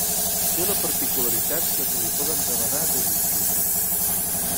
Té la particularitat que se li poden demanar desitjos.